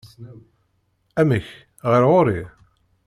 Amek, ɣer ɣur-i?